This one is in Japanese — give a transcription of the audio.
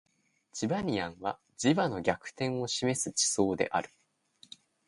チバニアンは磁場の逆転を示す地層である